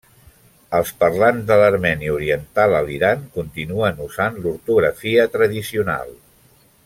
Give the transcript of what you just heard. Els parlants de l'armeni oriental a l'Iran continuen usant l'ortografia tradicional.